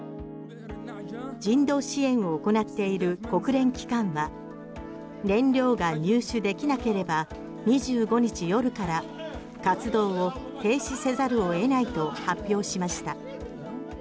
人道支援を行っている国連機関は燃料が入手できなければ２５日夜から活動を停止せざるを得ないと発表しました。